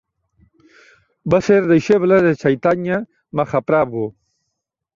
Va ser deixeble de Chaitanya Mahaprabhu.